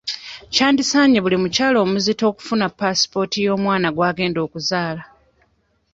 Kyandisaanye buli mukyala omuzito okufuna paasipooti y'omwana gw'agenda okuzaala.